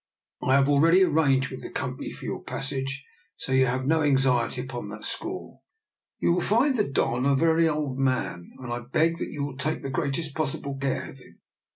I have already arranged with the Com pany for your passage, so you need have no anxiety upon that score. " You will find the Don a very old man, and I beg that you will take the greatest pos sible care of him.